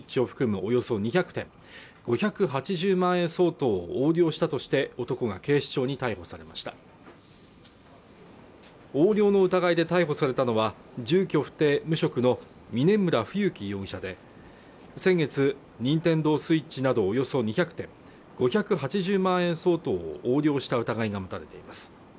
およそ２００点５８０万円相当を横領したとして男が警視庁に逮捕されました横領の疑いで逮捕されたのは住居不定無職の峯村冬樹容疑者で先月ニンテンドースイッチなどおよそ２００点５８０万円相当を横領した疑いが持たれています